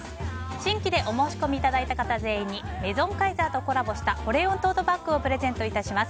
新規でお申込みいただいた方全員にメゾンカイザーとコラボした保冷温トートバッグをプレゼントいたします。